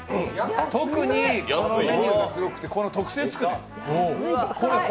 特にこのメニューがすごくてこの特製つくね、これね